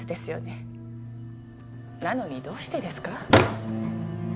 なのにどうしてですか？